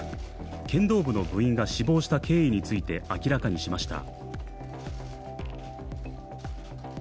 剣道部の部員が死亡した経緯について明らかにしました。